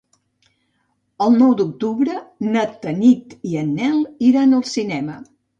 El nou d'octubre na Tanit i en Nel iran al cinema.